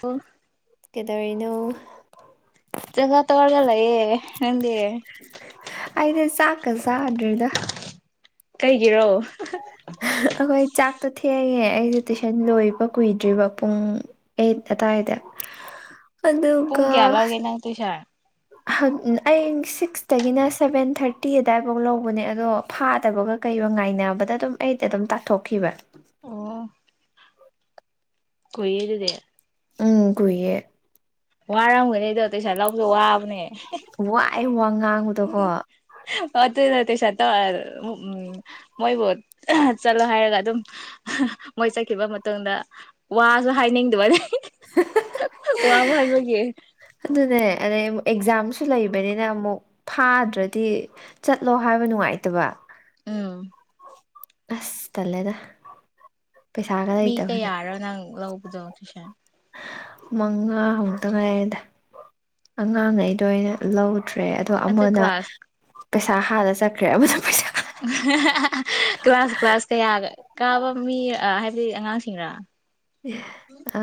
ꯑꯣ ꯀꯦꯗꯔꯤꯅꯧ ꯆꯖꯒꯥ ꯇꯒꯔꯒꯂꯌꯦ ꯅꯗꯤ ꯑꯩꯗꯤ ꯆꯥꯛꯀ ꯆꯥꯗ꯭ꯔꯦꯗ ꯀꯩꯒꯤꯔꯣ ꯈꯣꯏ ꯆꯥꯛ ꯇꯣꯊꯦꯑꯌꯦꯦ ꯑꯩꯁꯦ ꯇꯨꯏꯁꯟ ꯂꯣꯏꯕ ꯀꯨꯏꯗ꯭ꯔꯤꯕ ꯄꯨꯡ ꯑꯩꯠ ꯑꯗꯨꯋꯥꯏꯗ ꯄꯨꯡ ꯀꯌꯥꯂ ꯑꯣꯏꯒꯦ ꯅꯪ ꯇꯨꯁꯥ ꯑꯩ ꯁꯤꯛꯁꯇꯒꯤꯅ ꯁꯚꯦꯟ ꯊꯥꯔꯇꯤ ꯑꯗꯨꯗꯥꯋꯥꯏꯐꯥꯎ ꯂꯧꯕꯅꯦ ꯑꯗꯣ ꯐꯥꯗꯕꯒ ꯀꯩꯒ ꯉꯥꯏꯅꯕꯗ ꯑꯗꯨꯝ ꯑꯩꯗ ꯑꯗꯨꯝ ꯇꯥꯊꯣꯛꯈꯤꯕ ꯑꯣ ꯀꯔꯗꯦ ꯎꯝ ꯀꯨꯏꯌꯦꯦ ꯋꯥꯔꯝꯒꯅꯦꯗꯣ ꯇꯩꯁꯥ ꯂꯧꯁꯨ ꯋꯥꯕꯅꯦ ꯋꯥꯏ ꯋꯥꯉ ꯑ ꯑꯗꯨ ꯇꯁ ꯇꯧ ꯃꯣꯏꯕꯨ ꯆꯠꯂꯣ ꯍꯥꯏꯔꯒ ꯑꯗꯨꯝ ꯃꯣꯏ ꯆꯠꯈꯤꯕ ꯃꯇꯨꯡꯗ ꯋꯥꯁꯨ ꯍꯥꯏꯅꯤꯡꯗꯕ ꯑꯗꯨ ꯑꯗꯨꯅꯦ ꯑ ꯑꯦꯛꯖꯝ ꯁꯨ ꯂꯩꯕꯅꯤꯅ ꯑꯃꯨꯛ ꯐꯥꯗ꯭ꯔꯗꯤ ꯆꯠꯂꯣ ꯍꯥꯏꯕ ꯅꯨꯡꯉꯥꯏꯇꯕ ꯎꯝ ꯑꯁ ꯇꯂꯦꯗ ꯃꯤ ꯀꯌꯥꯔꯣ ꯅꯪ ꯂꯧꯕꯗꯣ ꯇꯨꯏꯁꯟ ꯃꯉꯥꯃꯨꯛꯇ ꯉꯥꯏꯗ ꯑꯉꯥꯡꯉꯩꯗ ꯑꯣꯏꯅ ꯂꯧꯗ ꯇ꯭ꯔꯦ ꯑꯗꯣ ꯑꯗ ꯑꯃꯅ ꯀ꯭ꯂꯥꯁ ꯄꯩꯁꯥ ꯍꯥꯟꯅ ꯆꯠꯈ꯭ꯔꯦ ꯑꯃꯗ ꯄꯩꯁꯥ ꯀ꯭ꯂꯥꯁ ꯀ꯭ꯂꯥꯁ ꯀꯌꯥ ꯀꯥꯕ ꯃꯤ ꯍꯥꯏꯕꯗꯤ ꯑꯉꯥꯡꯁꯤꯡꯅꯥ ꯑ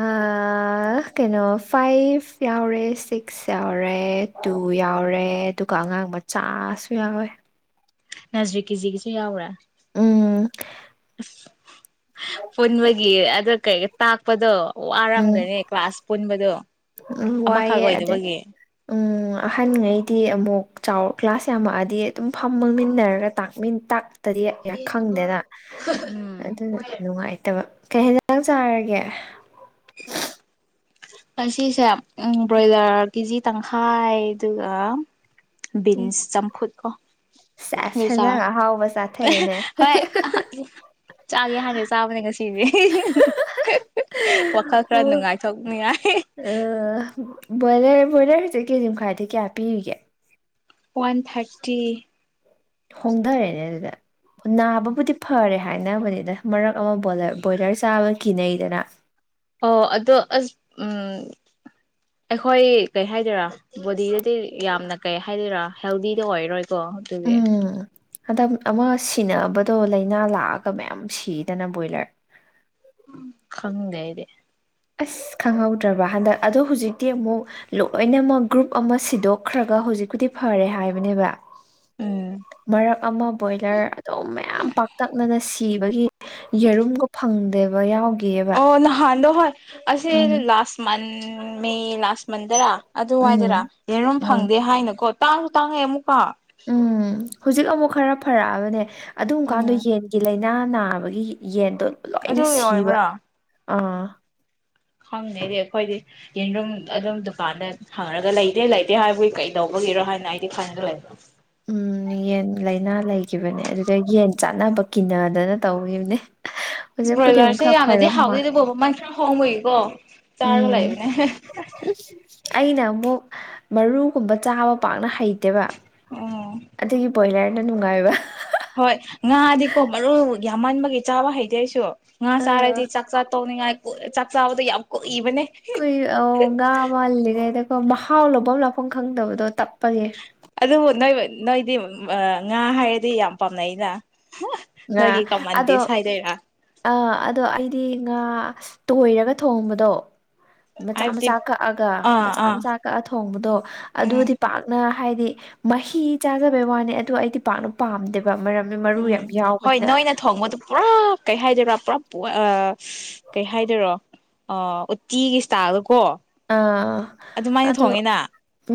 ꯀꯩꯅꯣ ꯐꯥꯏꯚ ꯌꯥꯎꯔꯦ ꯁꯤꯛꯁ ꯌꯥꯎꯔꯦ ꯇꯨ ꯌꯥꯎꯔꯦ ꯑꯗꯨꯒ ꯑꯉꯥꯡ ꯃꯆꯥꯁꯨ ꯌꯥꯎꯋꯦ ꯅꯁꯔꯤꯛ ꯀꯤꯖꯤꯒꯤꯁꯨ ꯌꯥꯎꯔꯥ ꯎꯝ ꯄꯨꯟꯕꯒꯤ ꯑꯗ ꯀꯩ ꯇꯥꯛꯄꯗꯣ ꯎꯝ ꯋꯥꯔꯝꯒꯅꯤ ꯀ꯭ꯂꯥꯁ ꯄꯨꯟꯕꯗꯣ ꯎ ꯑꯃꯈꯛ ꯋꯥꯏꯑꯦ ꯑꯗꯩ ꯑꯣꯏꯗꯕꯒꯤ ꯎꯝ ꯑꯍꯟꯉꯩꯗꯤ ꯑꯃꯨꯛ ꯆꯥꯎ ꯀ꯭ꯂꯥꯁ ꯌꯥꯝꯃꯛꯑꯗꯤ ꯑꯗꯨꯝ ꯐꯝ ꯃꯥꯡꯃꯤꯟꯅꯔꯒ ꯇꯗꯤ ꯈꯪꯗꯦꯅ ꯑꯗꯨꯅ ꯅꯨꯡꯉꯥꯏꯇꯕ ꯀꯩ ꯍꯦꯟꯖꯥꯡ ꯆꯥꯔꯒꯦ [inaudible] [unintelligible] ꯉꯁꯤꯁꯦ ꯎꯝ ꯕ꯭ꯔꯣꯏꯂꯔ ꯀꯦꯖꯤ ꯇꯪꯈꯥꯏ ꯗꯨꯒ ꯎꯝ ꯕꯤꯟꯁ ꯆꯝꯐꯨꯠ ꯀꯣ ꯁꯦꯁ ꯑꯗꯨ ꯆꯥꯔꯦ ꯍꯦꯟꯖꯥꯡ ꯑꯍꯥꯎꯕ ꯆꯥꯊꯩꯌꯦꯅꯦ ꯍꯣꯏ ꯍꯣꯏ ꯆꯥꯒꯦ ꯍꯥꯟꯅ ꯆꯥꯕꯅꯦ ꯉꯁꯤꯁꯦ ꯋꯥꯈꯜ ꯈꯔ ꯅꯨꯡꯉꯥꯏꯊꯣꯛꯅꯤꯡꯉꯥꯏ ꯑ ꯕꯣꯏꯂꯔ ꯕ꯭ꯔꯣꯏꯂꯔ ꯍꯧꯖꯤꯛ ꯀꯦꯖꯤꯃꯈꯥꯏꯗ ꯀꯌꯥ ꯄꯤꯔꯤꯒꯦ ꯋꯥꯟ ꯊꯥꯔꯇꯤ ꯍꯣꯡꯊꯔꯦꯅꯦ ꯑꯗꯨꯗ ꯅꯥꯕꯕꯨꯗꯤ ꯐꯔꯦ ꯍꯥꯏꯅꯕꯅꯤꯗ ꯃꯔꯛ ꯑꯃ ꯕꯣꯂꯔ ꯕꯣꯏꯂꯔ ꯆꯥꯕ ꯀꯤꯅꯩꯗꯅ ꯑꯣ ꯑꯗꯣ ꯑꯁ ꯎꯝ ꯑꯩꯈꯣꯏ ꯀꯩ ꯍꯥꯏꯗꯣꯏꯔꯥ ꯕꯣꯗꯤꯗꯗꯤ ꯌꯥꯝꯅ ꯀꯩ ꯍꯥꯏꯗꯣꯏꯔꯥ ꯍꯦꯜꯗꯤꯗ ꯑꯣꯏꯔꯣꯏ ꯀꯣ ꯑꯗꯨꯒꯤ ꯍꯟꯇꯛ ꯑꯃ ꯁꯤꯟꯅꯅꯕꯗꯣ ꯂꯥꯏꯅꯥ ꯂꯥꯛꯑꯒ ꯃꯌꯥꯝ ꯁꯤꯗꯅ ꯕꯣꯏꯂꯔ ꯈꯡꯗꯦ ꯑꯩꯗꯤ ꯑꯁ ꯈꯪꯍꯧꯗ꯭ꯔꯕ ꯍꯟꯗꯛ ꯑꯗꯣ ꯍꯧꯖꯤꯛꯇꯤ ꯑꯃꯨꯛ ꯂꯣꯏꯅꯃꯛ ꯒ꯭ꯔꯨꯞ ꯑꯃ ꯁꯤꯗꯣꯛꯈ꯭ꯔꯒ ꯍꯧꯖꯤꯛꯄꯨꯗꯤ ꯐꯔꯦ ꯍꯥꯏꯕꯅꯦꯕ ꯎꯝ ꯃꯔꯛ ꯑꯃ ꯕꯣꯏꯂꯔ ꯗꯣ ꯃꯌꯥꯝ ꯄꯥꯛꯇꯛꯅꯅ ꯁꯤ ꯁꯤꯕꯒꯤ ꯌꯦꯔꯨꯝꯒ ꯐꯪꯗꯦꯕ ꯌꯥꯎꯒ ꯑꯣ ꯅꯍꯥꯟꯗꯣ ꯑꯁꯦ ꯎꯝ ꯂꯥꯁ ꯃꯟ ꯃꯦ ꯂꯥꯁ ꯃꯟꯗꯔ ꯑꯗꯨꯋꯥꯏꯗꯔꯥ ꯎꯝ ꯌꯦꯔꯨꯝꯝ ꯎꯝ ꯐꯪꯗꯦ ꯍꯥꯏꯅꯀꯣ ꯇꯥꯡꯁꯨ ꯇꯥꯡꯑꯦ ꯑꯃꯨꯛ ꯑ ꯎꯝ ꯍꯧꯖꯤꯛ ꯑꯃꯨꯛ ꯈꯔ ꯐꯔꯛꯑꯕꯅꯦ ꯑꯗꯨꯝ ꯀꯥꯟꯗꯣ ꯎꯝ ꯌꯦꯟꯒꯤ ꯂꯩꯅ ꯏꯅꯥ ꯅꯥꯕꯒꯤ ꯌꯦꯟ ꯑꯗꯨ ꯂꯣꯏꯅ ꯑꯗꯨꯒꯤ ꯁꯤꯕ ꯑꯣꯏꯕ꯭ꯔꯥ ꯑꯥ ꯈꯪꯗꯦꯗꯤ ꯑꯩꯈꯣꯏꯗꯤ ꯌꯦꯟꯔꯨꯝ ꯑꯗꯨꯝ ꯗꯨꯀꯥꯟꯗ ꯍꯪꯉꯒ ꯂꯩꯇꯦ ꯂꯩꯇꯦ ꯍꯥꯏꯕꯒꯤ ꯀꯩꯗꯧꯕꯒꯤꯔꯣ ꯍꯥꯏꯅ ꯑꯩꯗꯤ ꯈꯪꯖꯜꯂꯦ ꯎꯝ ꯌꯦꯟ ꯂꯥꯏꯅꯥ ꯂꯩꯈꯤꯕꯅꯦ ꯑꯗꯨꯒ ꯌꯦꯟ ꯆꯥꯅꯕ ꯀꯤꯅꯗꯅ ꯇꯧꯈꯤꯕꯅꯦ ꯑ ꯍꯧꯖꯤꯛꯄꯨꯗꯤ ꯑꯃꯨꯛ ꯕ꯭ꯔꯣꯏꯂꯔꯁꯦ ꯈꯔ ꯌꯥꯝꯅꯗꯤ ꯐꯔꯕ ꯃꯥꯜꯂꯦ ꯍꯥꯎꯇꯦꯗꯕꯣ ꯃꯃꯟ ꯈꯔ ꯍꯣꯡꯕꯒꯤꯀꯣ ꯆꯥꯔꯒ ꯎꯝ ꯂꯩꯕꯅꯦ ꯑꯩꯅ ꯑꯃꯨꯛ ꯃꯔꯨꯒꯨꯝꯕ ꯆꯥꯕ ꯄꯥꯛꯅ ꯍꯩꯇꯦꯕ ꯎꯝ ꯑꯗꯨꯒꯤ ꯕꯣꯏꯂꯔ ꯅ ꯅꯨꯡꯉꯥꯏꯕ ꯍꯣꯏ ꯉꯥꯗꯤꯀꯣ ꯃꯔꯨ ꯌꯥꯝꯃꯟꯕꯒꯤ ꯆꯥꯕ ꯍꯩꯇꯦ ꯑꯩꯁꯨ ꯉꯥ ꯑꯥ ꯆꯔꯗꯤ ꯆꯥꯛꯆꯥ ꯇꯣꯛꯅꯤꯉꯥꯏ ꯀ ꯆꯥꯛ ꯆꯥꯕꯗ ꯌꯥꯝ ꯀꯑꯣ ꯀꯨꯏ ꯑꯎ ꯉꯥ ꯃꯜꯂꯤꯉꯩꯗ ꯃꯍꯥꯎ ꯂꯧꯕꯝ ꯂꯥꯛꯐꯝ ꯈꯪꯗꯕꯗꯣ ꯇꯞ ꯑꯗꯨꯕꯨ ꯅꯣꯏꯕ ꯅꯣꯏꯗꯤ ꯉꯥ ꯍꯥꯏꯔꯗꯤ ꯌꯥꯝ ꯄꯥꯝꯅꯩ ꯅ ꯉꯥ ꯅꯣꯏꯒꯤ ꯑꯗꯣ ꯀꯃꯥꯟꯗꯦꯁ ꯍꯥꯏꯗꯣꯏꯔ ꯑꯥ ꯑꯗꯣ ꯑꯩꯗꯤ ꯉꯥ ꯇꯣꯏꯔꯒ ꯊꯣꯡꯕꯗꯣ ꯃꯆꯥ ꯍꯥꯏꯕꯗꯤ ꯃꯆꯥ ꯀꯛꯑꯒ ꯑꯥ ꯃꯆꯥ ꯑꯥ ꯃꯆꯥ ꯀꯛꯑ ꯊꯣꯡꯕꯗꯣ ꯎꯝ ꯑꯗꯨꯗꯤ ꯄꯥꯛꯅ ꯍꯥꯏꯗꯤ ꯃꯍꯤ ꯆꯥꯖꯕꯩ ꯋꯥꯅꯤ ꯑꯗꯨ ꯑꯩꯗꯤ ꯄꯥꯛꯅ ꯄꯥꯝꯗꯦꯕ ꯃꯔꯝꯗꯤ ꯃꯔꯨ ꯌꯥꯝ ꯎꯝ ꯍꯣꯏ ꯌꯥꯎꯕꯅꯤꯅ ꯅꯣꯏꯅ ꯊꯣꯡꯕꯗꯨ ꯄꯨꯔꯨ ꯀꯩ ꯍꯥꯏꯗꯣꯏꯔꯥ ꯄꯨꯔꯥ ꯀꯩ ꯍꯥꯏꯗꯣꯏꯔꯣ ꯎꯇꯤꯒꯤ ꯏꯁꯇꯥꯏꯜꯗ ꯀꯣ ꯑꯥ ꯑꯗꯨ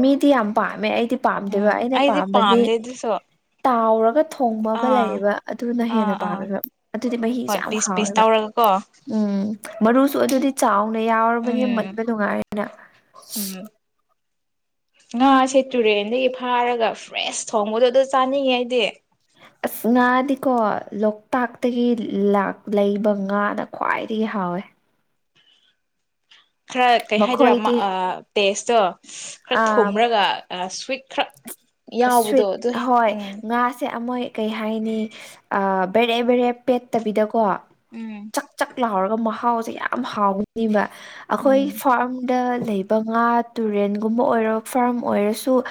ꯃꯤꯗꯤ ꯌꯥꯝ ꯄꯥꯝꯃꯦ ꯑꯩ ꯗꯤ ꯄꯥꯝꯗꯦꯕ ꯎꯝ ꯑꯩꯅ ꯑꯩꯗꯤ ꯄꯥꯝꯕꯗꯤ ꯄꯥꯝꯗꯦ ꯑꯗꯨꯁꯨ ꯇꯥꯎꯔꯒ ꯊꯣꯡꯕ ꯑꯃ ꯑꯥ ꯂꯩꯌꯦꯕ ꯑꯗꯨꯅ ꯑꯥ ꯍꯦꯟꯅ ꯑꯥ ꯄꯥꯝꯃꯦꯕ ꯑꯗꯨꯗꯤ ꯃꯍꯤꯁꯦ ꯍꯣꯏ ꯌꯥꯝ ꯄꯤꯁ ꯄꯤꯁ ꯍꯥꯎꯋꯦꯕ ꯇꯧꯔꯒꯀꯣ ꯎꯝ ꯃꯔꯨꯁꯨ ꯑꯗꯨꯗꯤ ꯆꯥꯎ ꯅ ꯌꯥꯎꯔꯕꯅꯤꯅ ꯎꯝ ꯃꯟꯕ ꯅꯨꯡꯉꯥꯏꯔꯦ [inaudible] ꯎꯝ ꯉꯥꯁꯦ ꯇꯨꯔꯦꯟꯗꯒꯤ ꯐꯥꯔꯒ ꯐ꯭ꯔꯦꯁ ꯊꯣꯡꯕꯗꯣ ꯑꯗꯨ ꯆꯥꯅꯤꯡꯉꯦ ꯑꯩꯗꯤ ꯑꯁ ꯉꯥꯗꯤꯀꯣ ꯂꯣꯛꯇꯥꯛꯇꯒꯤ ꯂꯥꯛ ꯂꯩꯕ ꯉꯥꯅ ꯈ꯭ꯋꯥꯏꯗꯒꯤ ꯍꯥꯎꯋꯦ ꯈꯔ ꯀꯩ ꯍꯥꯏꯗꯣꯏꯔꯥ ꯃꯥ ꯃꯈꯣꯏꯗꯤ ꯇꯦꯁꯇꯣ ꯈꯔ ꯑꯥ ꯊꯨꯝꯔꯒ ꯑ ꯁꯋꯤꯠ ꯈꯛ ꯁ꯭ꯋꯤꯠ ꯍꯣꯏ ꯉꯥꯁꯦ ꯑꯃꯣꯏ ꯀꯩ ꯍꯥꯏꯅꯤ ꯕꯦꯔꯦ ꯕꯦꯔꯦ ꯄꯦꯠꯇꯕꯤꯗꯀꯣ ꯎꯝ ꯆꯥꯛ ꯆꯥꯛ ꯂꯥꯎꯔꯒ ꯃꯍꯥꯎꯁꯦ ꯌꯥꯝ ꯍꯥꯎꯒꯅꯦꯕ ꯑꯩꯈꯣꯏ ꯐꯥꯔꯝꯗ ꯂꯩꯕ ꯉꯥ ꯇꯨꯔꯦꯟꯒꯨꯝꯕ ꯑꯣꯏꯔꯣ ꯐꯥꯔꯝ ꯑꯣꯏꯔꯁꯨ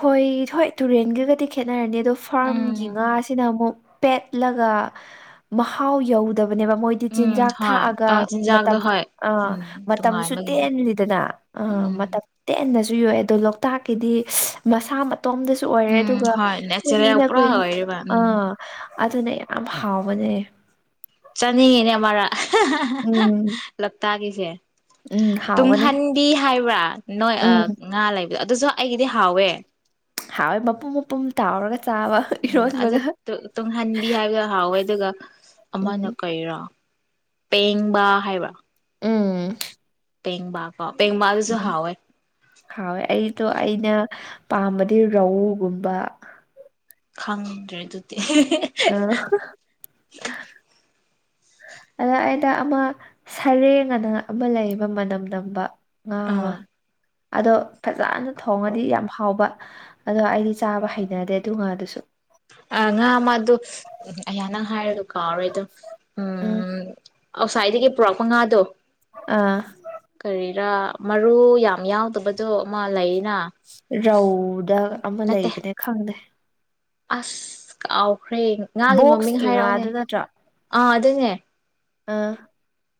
ꯍꯣꯏ ꯍꯣꯏ ꯇꯨꯔꯦꯟꯒꯗꯤ ꯈꯦꯠꯅꯔꯅꯤ ꯑꯗꯨ ꯐꯥꯔꯝꯒꯤ ꯎꯝ ꯉꯥꯁꯤꯅ ꯑꯃꯨꯛ ꯄꯦꯠꯂꯒ ꯃꯍꯥꯎ ꯌꯧꯗ ꯕꯅꯦꯕ ꯃꯣꯏꯗꯤ ꯎꯝ ꯆꯤꯟꯖꯥꯛ ꯍꯣꯏ ꯊꯥꯛꯑꯒ ꯑ ꯆꯤꯟꯖꯥꯛꯇꯣ ꯃꯇꯝ ꯍꯣꯏ ꯑ ꯎꯝ ꯃꯇꯝꯁꯨ ꯇꯣꯉꯥꯟꯕꯒꯤ ꯇꯦꯟꯜꯂꯤꯗꯅ ꯑ ꯎꯝ ꯃꯇꯝ ꯇꯦꯟꯅꯁꯨ ꯁꯨꯨ ꯌꯣ ꯑꯗꯣ ꯂꯣꯛꯇꯥꯛꯀꯤꯗꯤ ꯃꯁꯥ ꯃ ꯇꯣꯝꯗꯁꯨ ꯑꯣꯏꯔꯦ ꯎꯝ ꯑꯗꯨꯒ ꯍꯣꯏ ꯅꯦꯆꯔꯦꯜ ꯀꯨꯏꯅ ꯄꯨꯔꯥ ꯀꯨꯏ ꯑꯣꯏꯔꯤꯕ ꯎꯝ ꯑꯥ ꯑꯗꯨꯅ ꯌꯥꯝ ꯍꯥꯎꯕꯅꯦ ꯆꯥꯅꯤꯡꯉꯤꯅꯦ ꯃꯔꯛ ꯎꯝ ꯂꯛꯇꯒꯤ ꯦ ꯎꯝ ꯍꯥꯎꯕꯅꯦ ꯇꯨꯡꯍꯟꯕꯤ ꯍꯥꯏꯕ꯭ꯔꯥ ꯅꯣꯏ ꯎꯝ ꯉꯥ ꯂꯩꯕ ꯑꯗꯨꯁꯨ ꯑꯩꯒꯤꯗꯤ ꯍꯥꯎꯋꯦ ꯍꯥꯎꯣꯏ ꯃꯄꯨꯝ ꯃꯄꯨꯝ ꯇꯥꯎꯔꯒ ꯆꯥꯕ ꯎꯝ ꯏꯔꯣꯟꯕꯒ ꯑꯗꯨꯗ ꯇꯨꯡꯍꯟꯕꯤ ꯍꯥꯏꯕꯗꯣ ꯍꯥꯎꯋꯦ ꯑꯗꯨꯒ ꯎꯝ ꯑꯃꯅ ꯀꯩꯔꯣ ꯄꯦꯡꯕ ꯍꯥꯏꯕ ꯎꯝ ꯄꯦꯡꯕꯥꯞ ꯎꯝ ꯍꯥꯎ ꯑꯩ ꯑꯩꯅ ꯄꯥꯝꯕꯗꯤ ꯔꯧꯎꯒꯨꯝꯕ ꯈꯪꯗ꯭ꯔꯔꯤ ꯑꯗꯨꯗꯤ ꯑ ꯑꯗ ꯑꯩꯗ ꯑꯃ ꯁꯔꯦꯡ ꯑꯅ ꯑꯃ ꯂꯩꯕ ꯃꯅꯝ ꯅꯝꯕ ꯑꯃ ꯑꯥ ꯑꯗꯣ ꯐꯖꯅ ꯊꯣꯡꯉꯗꯤ ꯌꯥꯝ ꯍꯥꯎꯕ ꯑꯗꯣ ꯑꯩꯗꯤ ꯆꯥꯕ ꯍꯩꯅꯗꯦ ꯑꯗꯨ ꯉꯥꯗꯨꯁꯨ ꯑ ꯉꯃ ꯑꯗꯨꯗꯨꯅꯪ ꯍꯥꯏ ꯀꯥꯔꯩꯗ ꯎꯝ ꯑꯥꯎꯠꯁꯥꯏꯗꯒꯤ ꯄꯨꯔꯛꯄ ꯉꯥꯗꯣ ꯑꯥ ꯀꯔꯤꯔꯥ ꯃꯔꯨ ꯌꯥꯝ ꯌꯥꯎꯗꯕꯁꯨ ꯑꯃ ꯂꯩ ꯔꯧꯗ ꯑꯃ ꯅꯠꯇꯦ ꯂꯩꯕꯅꯦ ꯈꯪꯗꯦ ꯑꯁ ꯑꯥꯎ ꯍꯣꯔꯦꯟ ꯉꯥꯒꯤ ꯃꯃꯤꯡ ꯕꯣꯛꯁꯀꯤ ꯍꯥꯏꯔꯛꯑꯅꯦ ꯉꯥꯗꯨ ꯑꯥ ꯑꯗꯨꯉꯦ ꯑ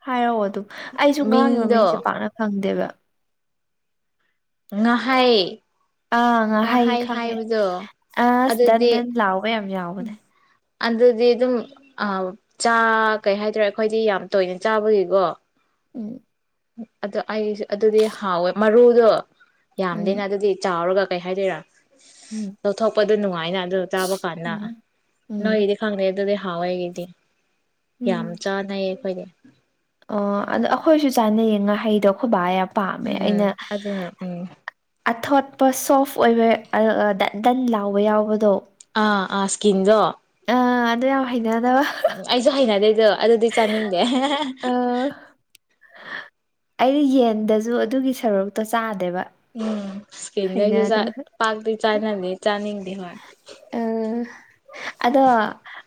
ꯍꯥꯏ ꯑꯗꯨ ꯑꯩꯁꯨ ꯉꯥꯒꯤ ꯃꯤꯡꯗꯣ ꯃꯃꯤꯡꯁꯦ ꯄꯥꯛꯅ ꯐꯪꯗꯦꯕ [inaudible] ꯉꯍꯥꯏ ꯑꯥ ꯉꯍꯩ ꯈꯪꯉꯦ ꯑꯁ ꯗꯟ ꯑꯗꯨꯗꯤ ꯗꯟ ꯂꯥꯎꯕ ꯌꯥꯝ ꯌꯥꯎꯕꯅꯦ ꯑꯗꯨꯗꯤ ꯑꯗꯨꯝ ꯆꯥ ꯀꯩ ꯍꯥꯏꯇꯥꯔꯦ ꯑꯩꯈꯣꯏꯗꯤ ꯌꯥꯝ ꯇꯣꯏꯅ ꯆꯥꯕꯒꯤꯀꯣ ꯎꯝ ꯑꯗ ꯑꯩꯁꯨ ꯑꯗꯨꯗꯤ ꯍꯥꯎꯋꯦ ꯃꯔꯨꯗꯣ ꯎꯝ ꯌꯥꯝꯗꯅ ꯑꯗꯨꯗꯤ ꯆꯥꯎꯔꯒ ꯀꯩ ꯍꯥꯏꯗꯣꯏꯔꯥ ꯎꯝ ꯂꯧꯊꯣꯛꯄꯗ ꯅꯨꯡꯉꯥꯏꯅ ꯑꯗꯨ ꯆꯥꯕ ꯀꯥꯟꯗ ꯎꯝ ꯎꯝ ꯅꯣꯏꯒꯤꯗꯤ ꯈꯪꯗꯦ ꯑꯗꯨꯗꯤ ꯍꯥꯎ ꯍꯦꯒꯗꯤ ꯎꯝ ꯌꯥꯝ ꯆꯥꯟꯅꯩꯌꯦ ꯑꯩꯈꯣꯏꯗꯤ ꯎꯝ ꯑꯣ ꯑꯗꯣ ꯑꯩꯈꯣꯏꯁꯨ ꯆꯥꯅꯩꯌꯦ ꯉꯥꯍꯩꯗꯣ ꯑꯩꯈꯣꯏ ꯕꯥ ꯑꯌꯥ ꯎꯝ ꯑꯗ ꯎꯝ ꯑꯊꯣꯠꯄ ꯁꯣꯐ ꯑꯣꯏꯕ ꯗꯟ ꯗꯟ ꯂꯥꯎꯕ ꯌꯥꯎꯕꯗꯣ ꯑ ꯑꯥꯁꯀꯤꯟꯖꯣ ꯑꯗꯨꯦ ꯍꯥꯏ ꯑꯩꯁꯨꯣ ꯍꯅꯗꯦ ꯑꯗꯨꯗꯤ ꯆꯥꯅꯤꯡꯗꯦ ꯑꯩꯅ ꯌꯦꯟꯗꯁꯨ ꯑꯗꯨꯒꯤ ꯁꯔꯨꯛꯇꯣ ꯆꯥꯗ ꯗꯕ ꯏꯁꯀꯤꯟꯗꯩꯁꯨ ꯄꯥꯛꯇꯤ ꯆꯥꯅꯗꯦ ꯆꯥꯅꯤꯡꯗꯦ ꯍꯣꯏ ꯑꯥ ꯑꯗꯣ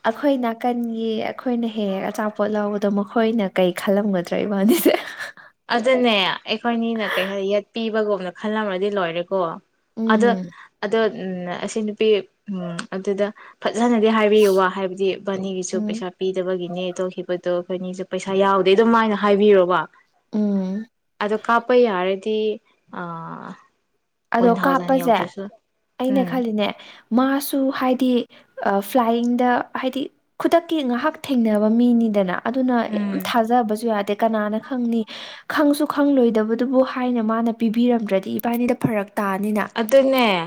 ꯑꯩꯈꯣꯏ ꯅꯥꯀꯟꯒꯤ ꯑꯩꯈꯣꯏꯅ ꯍꯦꯛ ꯍꯦꯛ ꯑꯆꯥꯄꯣꯠ ꯂꯧꯕꯗꯣ ꯃꯈꯣꯏꯅ ꯀꯩ ꯈꯜꯂꯝꯒꯗ꯭ꯔꯣ ꯏꯕꯥꯅꯤꯁꯦ ꯑꯗꯨꯗꯅ ꯑꯩꯈꯣꯏꯅꯤꯅ ꯀꯩ ꯍꯥꯏ ꯌꯦꯠ ꯄꯤꯕꯒꯨꯝꯅ ꯈꯜꯂꯝ꯭ꯔꯗꯤ ꯂꯣꯏꯔꯦꯀꯣ ꯑꯗ ꯎꯝ ꯑꯗ ꯎ ꯑꯁꯤ ꯅꯨꯄꯤ ꯎꯝ ꯑꯗꯨꯗ ꯐꯖꯅꯗꯤ ꯍꯥꯏꯕꯤꯌꯨ ꯋꯥ ꯍꯥꯏꯕꯗꯤ ꯕꯥꯅꯤꯒꯤꯁꯨ ꯎꯝ ꯄꯩꯁꯥ ꯄꯤꯗꯕꯒꯤꯅꯦ ꯇꯧꯈꯤꯕꯗꯣ ꯑꯩꯈꯣꯏꯅꯤꯁꯨ ꯄꯩꯁꯥ ꯌꯥꯎꯗꯦ ꯑꯗꯨꯝ ꯍꯥꯏꯥꯏꯅ ꯍꯥꯏꯕꯤꯔꯣꯕ ꯎꯝ ꯑꯗꯣ ꯀꯥꯞꯄ ꯌꯥꯔꯗꯤ ꯑ ꯑꯗꯣ ꯀꯥꯞꯄꯁꯦ ꯑꯩꯅ ꯎꯝ ꯈꯜꯂꯤꯅꯦ ꯃꯥꯁꯨ ꯍꯥꯏꯗꯤ ꯐ꯭ꯂꯥꯏꯌꯤꯡꯗ ꯍꯥꯏꯗꯤ ꯈꯨꯗꯛꯀꯤ ꯉꯥꯏꯍꯥꯛ ꯊꯦꯡꯅꯕ ꯃꯤꯅꯤꯗꯅ ꯑꯗꯨꯅ ꯌꯥꯝ ꯎꯝ ꯊꯥꯖꯕꯁꯨ ꯌꯥꯗꯦ ꯀꯅꯥꯅ ꯈꯪꯅꯤ ꯈꯪꯁꯨ ꯈꯪꯂꯣꯏꯗꯕꯗꯨꯕꯨ ꯍꯥꯏꯅ ꯃꯥꯅ ꯄꯤꯕꯤꯔꯝꯗ꯭ꯔꯗꯤ ꯏꯕꯥꯅꯤꯗ ꯐꯔꯛ ꯑꯗꯨ ꯑꯗꯨꯅꯦꯦ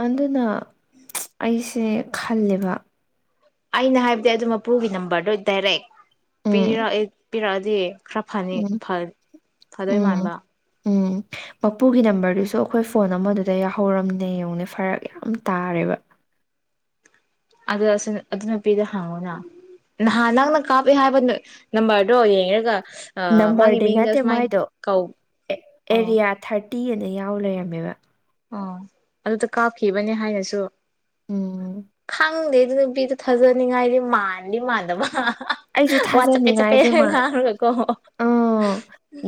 ꯑꯗꯨ ꯑꯗꯨꯅ ꯎꯝ ꯑꯩꯁꯦ ꯈꯜꯂꯦꯕ ꯑꯩꯅ ꯍꯥꯏꯕꯗꯤ ꯑꯗꯨ ꯃꯄꯨꯒꯤ ꯅꯝꯕꯔꯗꯣ ꯗꯥꯏꯔꯦꯛ ꯄꯤꯔ ꯎꯝ ꯄꯤꯔꯛꯑꯗꯤ ꯈꯔ ꯐꯅꯤ ꯎꯝ ꯐꯗꯣꯏ ꯎꯝ ꯃꯥꯟꯕ ꯎꯝ ꯃꯄꯨꯒꯤ ꯅꯝꯕꯔꯗꯨꯁꯨ ꯑꯩꯈꯣꯏ ꯐꯣꯟ ꯑꯃꯗꯨꯗ ꯌꯥꯍꯧꯔꯝꯅꯦ ꯌꯦꯡꯉꯅꯦ ꯐꯔꯛ ꯌꯥꯝ ꯇꯥꯔꯦꯕ ꯑꯗꯨ ꯑꯗꯨ ꯅꯨꯄꯤꯗ ꯍꯪꯉꯨꯅ ꯅꯍꯥꯟ ꯅꯪꯅ ꯀꯥꯞꯑꯦ ꯍꯥꯏꯕ ꯅꯝꯕꯔꯗꯣ ꯌꯦꯡꯔꯒ ꯅꯝꯕꯔꯗꯤ ꯅꯠꯇꯦ ꯃꯣꯏꯗꯣ ꯀꯧ ꯑꯣ ꯑꯦꯔꯤꯌꯥ ꯊꯥꯔꯇꯤ ꯇꯤ ꯑꯅ ꯌꯥꯎ ꯂꯩꯔꯝꯃꯦꯕ ꯑꯣ ꯑꯗꯨꯗ ꯀꯥꯞꯈꯤꯕꯅꯦ ꯍꯥꯏꯅꯁꯨ ꯎꯝ ꯈꯪꯗꯦ ꯑꯗꯨ ꯅꯨꯄꯤꯗꯨꯣ ꯊꯥꯖꯅꯤꯡꯉꯥꯏꯗꯤ ꯃꯥꯟꯗꯤ ꯃꯥꯟꯗꯕ ꯃꯥ ꯑꯩꯁꯨ ꯊꯥꯖꯅꯤꯡꯉꯥꯏ ꯗꯃ ꯉꯥꯡꯔꯒꯀꯣ ꯎꯝ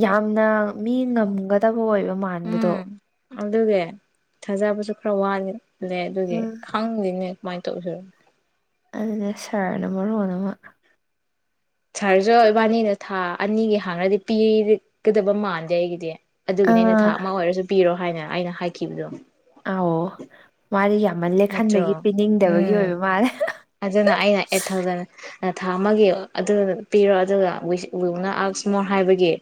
ꯌꯥꯝꯅ ꯃꯤ ꯉꯝꯒꯗꯕ ꯍꯣꯏꯕ ꯃꯥꯟꯕꯗꯣ ꯑꯗꯨꯒ ꯊꯥꯖꯕꯁꯨ ꯈꯔ ꯋꯥꯂꯦ ꯂꯩ ꯑꯗꯨꯒꯤ ꯈꯪꯗꯅꯦ ꯃꯥꯥꯏꯇꯣꯔ ꯑꯗꯨꯅꯦ ꯁꯔꯅꯝꯕ ꯔꯣꯅꯃ ꯁꯥꯔꯁꯨ ꯏꯕꯥꯅꯤꯅ ꯊꯥ ꯑꯅꯤꯒꯤ ꯍꯥꯡꯅꯗꯤ ꯄꯤꯒꯗꯕ ꯃꯥꯟꯗꯦ ꯑꯩꯒꯤꯗꯤ ꯑꯗꯨꯒꯤꯅꯦ ꯑꯩꯅ ꯑꯥ ꯊꯥ ꯑꯃ ꯑꯣꯏꯔꯁꯨ ꯄꯤꯔꯣ ꯍꯥꯏꯅ ꯑꯩꯅ ꯍꯥꯏꯈꯤꯕꯗꯣ ꯑ ꯃꯥꯗꯤ ꯌꯥꯝꯃ ꯂꯦꯛꯍꯟꯕꯒꯤ ꯅꯠꯇ꯭ꯔꯣ ꯄꯤꯅꯤꯡꯗꯕꯒꯤ ꯎꯝ ꯑꯣꯏꯕ ꯃꯥꯜꯂꯦ ꯑꯗꯨꯅ ꯑꯩꯅ ꯑꯩꯠ ꯊꯥꯎꯖꯟꯅꯤ ꯊꯥ ꯑꯃꯒꯤ ꯑꯗꯨ ꯄꯤꯔꯣ ꯑꯗꯨꯒ ꯎꯅ ꯑꯁꯣꯔ ꯍꯥꯏꯕꯒꯤ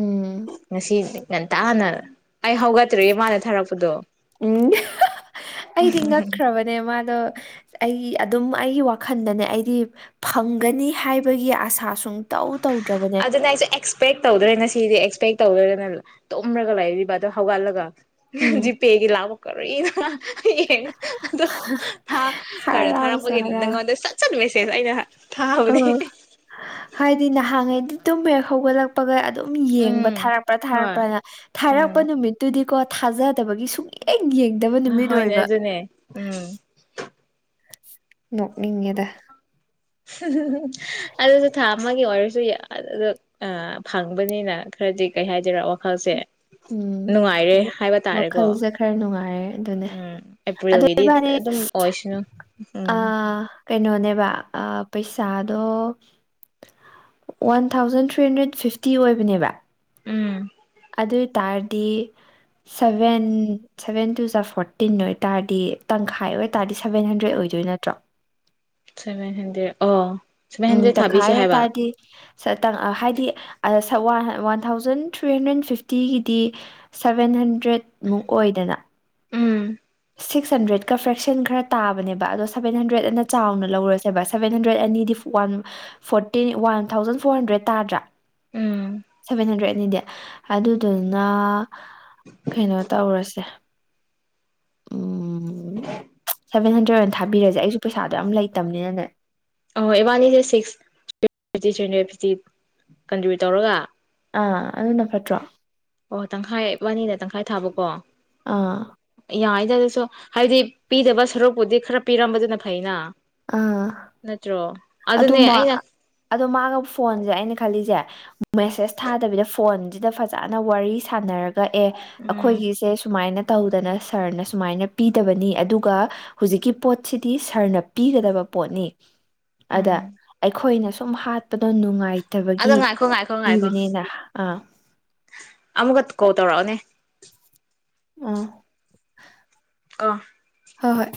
ꯎꯝ ꯉꯁꯤ ꯉꯟꯇꯥꯅ ꯑꯩ ꯍꯧꯒꯠꯇ꯭ꯔꯔꯤ ꯃꯥꯅ ꯊꯥꯔꯛꯄꯗꯣ ꯎꯝ ꯑꯩꯗꯤ ꯉꯛꯈ꯭ꯔꯕꯅꯦ ꯃꯥꯗꯣ ꯑꯩꯒꯤ ꯑꯗꯨꯝ ꯑꯩꯒꯤ ꯋꯥꯈꯜꯗꯅꯦ ꯑꯩꯗꯤ ꯐꯪꯒꯅꯤ ꯍꯥꯏꯕꯒꯤ ꯑꯁꯥ ꯁꯨꯡꯨꯝ ꯇꯧ ꯑꯗꯨꯅ ꯑꯩꯁꯨ ꯑꯦꯛꯁꯄꯦꯛ ꯇꯧꯗ꯭ꯔꯦꯅꯦ ꯁꯤꯗꯤ ꯀꯩ ꯇꯧꯔꯒꯅ ꯇꯨꯝꯔꯒ ꯂꯩ ꯑꯗꯣ ꯍꯧꯒꯠꯂꯒ ꯎꯝ ꯖꯤ ꯄꯦꯛꯒꯤ ꯂꯕꯣ ꯀꯏꯅ ꯩꯅ ꯑꯣ ꯊ ꯈꯔꯗ ꯍꯔꯥꯎꯁꯨ ꯊꯥꯔꯛꯄꯒꯤ ꯅꯪꯉꯣꯟꯗ ꯁꯠ ꯆꯠ ꯃꯦꯁꯦꯖ ꯑꯗ ꯑꯩꯅ ꯑ ꯊꯥꯕꯅꯦ ꯍꯥꯏꯗꯤ ꯅꯍꯥꯡꯉꯩ ꯇꯨꯝꯕꯦꯛ ꯍꯧꯒꯠꯂꯛꯄꯒ ꯑꯗꯨꯝ ꯌꯦꯡꯕ ꯎꯝ ꯊꯥꯔꯛꯄ꯭ꯔꯥ ꯍꯣꯏ ꯊꯥꯔꯛꯄ꯭ꯔꯅ ꯊꯥꯔꯛꯄ ꯎꯝ ꯅꯨꯃꯤꯠꯇꯨꯗꯤꯀꯣ ꯊꯥꯖꯗꯕꯒꯤ ꯁꯨꯡꯛꯂꯌꯦꯛ ꯍꯅꯦ ꯑꯗꯨꯅꯦ ꯎꯝ ꯅꯣꯛꯅꯤꯡꯉꯦꯗ [unintelligible] ꯑꯗꯁꯨ ꯊ ꯑꯃꯒꯤ ꯑꯣꯏꯔꯁꯨ ꯐꯪꯕꯅꯤꯅ ꯈꯔꯗꯤ ꯀꯩ ꯍꯥꯏꯗꯣꯏꯔ ꯍꯥꯏꯕ ꯎꯝ ꯇꯥꯔꯦꯀꯣ ꯋꯥꯈꯜꯁꯦ ꯈꯔ ꯅꯨꯡꯉꯥꯏꯔꯦ ꯑꯗꯨꯅꯦ ꯎꯝ ꯑꯗꯨ ꯑꯦꯄ꯭ꯔꯤꯜꯒꯤꯗꯤ ꯏꯕꯥꯅꯤ ꯑꯗꯨꯝ ꯑꯣꯏꯁꯅꯨ ꯑ ꯎꯝ ꯀꯩꯅꯣꯅꯦꯕ ꯄꯩꯁꯥꯗꯣ one thousand three hundred fifty ꯑꯣꯏꯕꯅꯦꯕ ꯎꯝ ꯑꯗꯨ ꯑꯣꯏ ꯇꯔꯗꯤ ꯁꯚꯦꯟ ꯁꯚꯦꯟ ꯇꯨꯖ ꯐꯣꯔꯇꯤꯟ ꯑꯣꯏꯇꯥꯔꯗꯤ ꯇꯪꯈꯥꯏ ꯑꯣꯏꯇꯥꯥꯔꯗꯤ ꯁꯚꯦꯟ ꯍꯟꯗ꯭ꯔꯦꯗ ꯑꯣꯏꯗꯣꯏ ꯅꯠꯇ꯭ꯔꯣ ꯁꯚꯦꯟ ꯍꯟꯗ꯭ꯔꯦꯠ ꯑ ꯎꯝ ꯇ ꯈꯥꯏꯕꯦ ꯇ ꯍꯥꯏꯗꯤ ꯍꯥꯏꯗꯤ ꯋꯥ ꯋꯥꯟ ꯊꯥꯎꯖꯟ ꯊ꯭ꯔꯤ ꯍꯟꯗ꯭ꯔꯦꯠ ꯐꯤꯐꯇꯤꯒꯤꯗꯤ ꯁꯕꯦꯟ ꯍꯟ ꯇ꯭ꯔꯦꯠꯃꯨꯛ ꯑꯣꯏꯗꯅ ꯎꯝ ꯁꯤꯛꯁ ꯍꯟꯗ꯭ꯔꯦꯗꯀ ꯐ꯭ꯔꯦꯛꯁꯟ ꯈꯔ ꯇꯥꯕꯅꯦꯕ ꯑꯗꯣ ꯁꯕꯦꯟ ꯍꯟꯗ꯭ꯔꯦꯗ ꯑꯅ ꯆꯥꯎꯅ ꯂꯧꯔꯁꯦꯕ ꯁꯕꯦꯟ ꯍꯟꯗ꯭ꯔꯦꯗ ꯑꯅꯤꯗꯤ one fourteen one thousand four hundred ꯇꯥꯗ꯭ꯔꯥ ꯎꯝ ꯁꯚꯦꯟ ꯍꯟꯗ꯭ꯔꯦꯠꯅꯤ ꯗꯦ ꯑꯗꯨꯗꯨꯅ ꯀꯩꯅꯣ ꯇꯧꯔꯁꯦ ꯎꯝ ꯁꯚꯦꯟ ꯍꯟꯗ꯭ꯔꯦꯗ ꯑꯣꯏꯅ ꯊꯥꯕꯤꯔꯁꯦ ꯑꯩꯁꯨ ꯄꯩꯁꯥꯗꯣ ꯌꯥꯝꯝ ꯂꯩꯇꯕꯅꯤꯅꯅꯦ ꯑꯍꯣꯏ ꯏꯕꯥꯅꯤꯁꯦ ꯁꯤꯛꯁ ꯊ꯭ fifty three hundred fifty contribute ꯇꯧꯔꯒ ꯑꯥ ꯑꯗꯨꯟꯅ ꯄꯠꯇ꯭ꯔꯣ ꯑꯣ ꯇꯪꯈꯥꯏ ꯏꯕꯥꯅꯤꯅ ꯇꯪꯈꯥꯏ ꯊꯥꯕꯀꯣ ꯑꯥ ꯗꯁꯨ ꯍꯥꯏꯗꯤ ꯄꯤꯗꯕ ꯁꯔꯨꯛꯄꯨꯗꯤ ꯈꯔ ꯄꯤꯔꯝꯕꯗꯨꯅ ꯐꯩꯅ ꯑꯥ ꯅꯠꯇ꯭ꯔꯣ ꯑꯗꯨꯅꯦ ꯑꯗꯨꯃ ꯑꯩꯅ ꯑ ꯃꯥꯒ ꯐꯣꯟꯁꯦ ꯑꯩꯅ ꯈꯜꯂꯤꯁꯦ ꯃꯦꯁꯦꯁ ꯊꯥꯗꯕꯤꯗ ꯐꯣꯟ ꯁꯤꯗ ꯐꯖꯅ ꯋꯥꯔꯤ ꯁꯥꯟꯅꯔꯒ ꯀꯛꯑꯦ ꯎꯝ ꯑꯩꯈꯣꯏꯒꯤꯁꯦ ꯁꯨꯃꯥꯏꯅ ꯇꯧꯗꯅ ꯁꯔꯅ ꯁꯨꯃꯥꯏꯅ ꯄꯤꯗꯕꯅꯤ ꯑꯗꯨꯒ ꯍꯧꯨꯖꯤꯛꯀꯤ ꯄꯣꯠꯁꯤꯗꯤ ꯁꯔꯅ ꯄꯤꯒꯗꯕ ꯄꯣꯠꯅꯤ ꯎꯝ ꯑꯗ ꯑꯩꯈꯣꯏꯅꯁꯨ ꯁꯨꯝ ꯍꯥꯠꯄꯗꯣ ꯅꯨꯡꯉꯥꯏ ꯐꯠꯇꯕꯒꯤ ꯑꯗꯣ ꯉꯥꯏꯈꯣ ꯉꯥꯏꯈꯣ ꯉꯥꯏꯈꯣ ꯄꯤꯕꯅꯦꯅ ꯑꯥ ꯑꯃꯨꯛꯀ ꯀꯣꯜ ꯇꯧꯔꯛꯑꯣꯅꯦ ꯎꯝ ꯑ ꯍꯣꯏ ꯍꯣꯏ